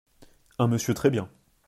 Un monsieur très bien.